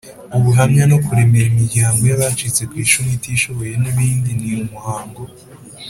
ubuhamya no kuremera imiryango y abacitse ku icumu itishoboye n ibindi Ni umuhango